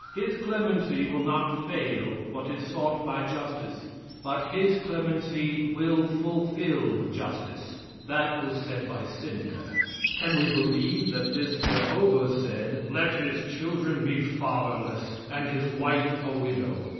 His clemency will not fail what is sought by justice, but his clemency will fulfill justice." That was said by Seneca. Can we believe that this Jehovah said: "Let his children be fatherless and his wife a widow.